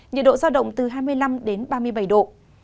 nhiệt độ giao động từ hai mươi năm đến ba mươi bảy độ